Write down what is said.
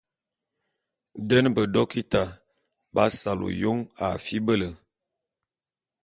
Den bedokita b'asal ôyôn a fibele.